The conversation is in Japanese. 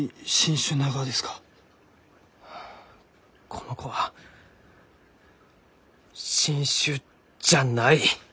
この子は新種じゃない。